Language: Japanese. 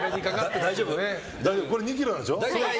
これ２ｋｇでしょ。